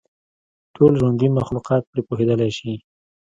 ټول ژوندي مخلوقات پرې پوهېدلای شي.